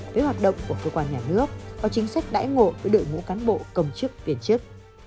với hoạt động của cơ quan nhà nước và chính sách đãi ngộ với đội ngũ cán bộ công chức viên chức